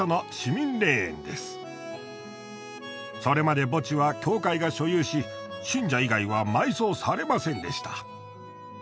それまで墓地は教会が所有し信者以外は埋葬されませんでした。